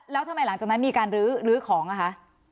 แล้วทำไมหลังจากนั้นมีการลื้อของอ่ะคะ